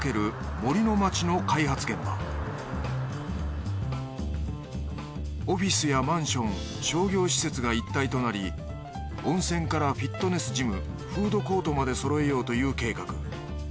杜の街の開発現場オフィスやマンション商業施設が一体となり温泉からフィットネスジムフードコートまでそろえようという計画。